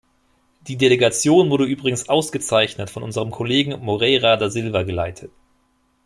Die Delegation wurde übrigens ausgezeichnet von unserem Kollegen Moreira Da Silva geleitet.